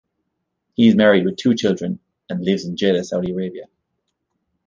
He is married, with two children, and lives in Jeddah, Saudi Arabia.